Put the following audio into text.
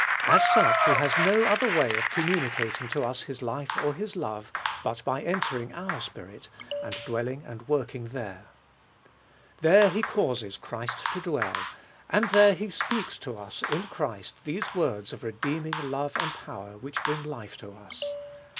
As such He has no other way of communicating to us His life or His love, but by entering our spirit and dwelling and working there. There He causes Christ to dwell, and there He speaks to us in Christ these words of redeeming love and power which bring life to us.